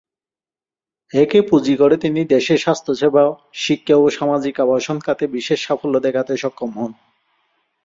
একে পুঁজি করে তিনি দেশে স্বাস্থ্যসেবা, শিক্ষা ও সামাজিক আবাসন খাতে বিশেষ সাফল্য দেখাতে সক্ষম হন।